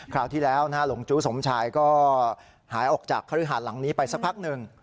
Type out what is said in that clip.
ราวที่แล้วหลงจู้สมชายก็หายออกจากคฤหาสหลังนี้ไปสักพักหนึ่ง